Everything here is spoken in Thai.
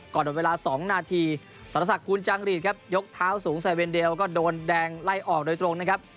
ก่อนวันเวลา๒นาทีสรรษะกูลจังรีดยกเท้าสูงแซเวนเดลก็โดนแดงไล่ออกโดยตรงนะครับ